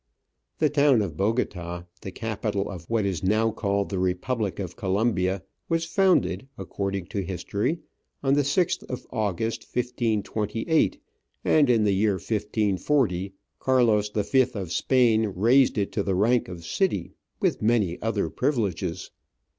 The town of Bogota, the capital of what is now called the Republic of Colombia, was founded, according to history, on the 6th of August, 1528, and in the year 1540 Carlos V. of Spain raised it to the rank of City, with many other privileges.